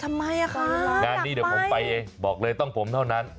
ทำไมอ่ะคะงานนี้เดี๋ยวผมไปบอกเลยต้องผมเท่านั้น